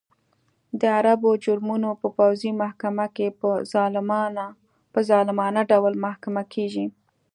د عربو جرمونه په پوځي محکمه کې په ظالمانه ډول محاکمه کېږي.